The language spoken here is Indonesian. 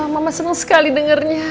mama seneng sekali dengernya